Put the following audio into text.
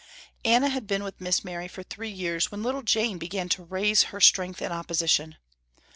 Anna had been with Miss Mary for three years, when little Jane began to raise her strength in opposition.